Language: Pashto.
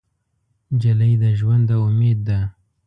نجلۍ د ژونده امید ده.